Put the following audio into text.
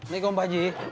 nih kawan pak ji